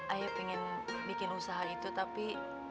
ayo pengen bikin usaha itu tapi